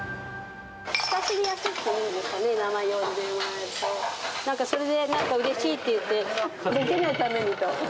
親しみやすいっていうんですかね、名前呼んでもらえると、なんかそれで、なんかうれしいっていって。